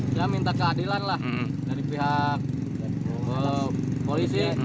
saya minta keadilan lah dari pihak polisi